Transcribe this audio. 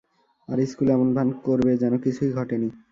আর school এমন ভান করবে যেন কিছুই ঘটেনি।